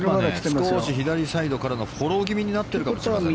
少し左サイドからのフォロー気味になってるかもしれませんね。